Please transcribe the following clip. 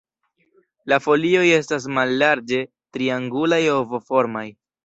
La folioj estas mallarĝe triangulaj- ovoformaj.